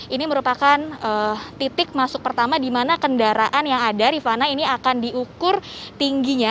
ini merupakan titik masuk pertama di mana kendaraan yang ada rifana ini akan diukur tingginya